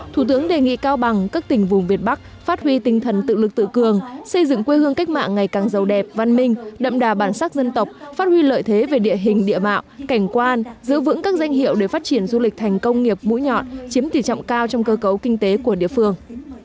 thủ tướng đề nghị cao bằng các tỉnh vùng việt bắc phát huy tinh thần tự lực tự cường xây dựng quê hương cách mạng ngày càng giàu đẹp văn minh đậm đà bản sắc dân tộc phát huy lợi thế về địa hình địa mạo cảnh quan giữ vững các danh hiệu để phát triển du lịch thành công nghiệp mũi nhọn chiếm tỷ trọng cao trong cơ cấu kinh tế của địa phương